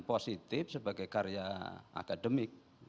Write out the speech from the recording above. positif sebagai karya akademik